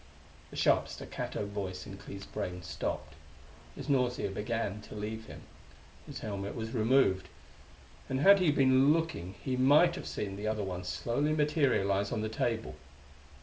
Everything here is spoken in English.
The sharp, staccato voice in Clee's brain stopped; his nausea began to leave him; his helmet was removed; and had he been looking he might have seen the other one slowly materialize on the table.